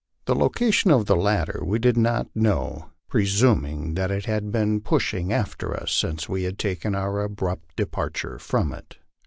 The location of the latter we did not know, presuming that it had been pushing after us since we had taken our abrupt departure from it.